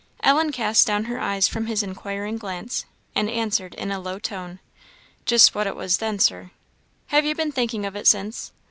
Ellen cast down her eyes from his inquiring glance, and answered, in a low tone, "Just what it was then, Sir." "Have you been thinking of it since?"